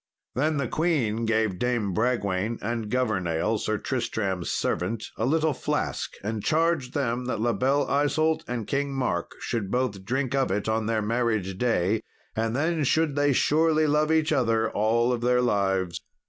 Then the queen gave Dame Bragwaine, and Governale, Sir Tristram's servant, a little flask, and charged them that La Belle Isault and King Mark should both drink of it on their marriage day, and then should they surely love each other all their lives.